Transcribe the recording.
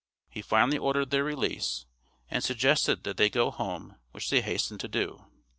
He finally ordered their release and suggested that they go home which they hastened to do.